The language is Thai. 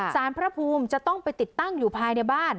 สารพระภูมิจะต้องไปติดตั้งอยู่ภายในบ้าน